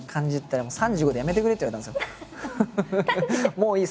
「もういい。